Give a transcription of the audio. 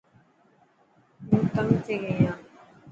هون تنگ ٿيي گئي هان.